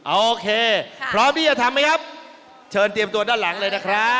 โอเคพร้อมที่จะทำไหมครับเชิญเตรียมตัวด้านหลังเลยนะครับ